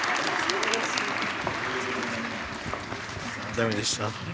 駄目でした？